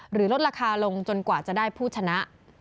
ลดราคาลงจนกว่าจะได้ผู้ชนะ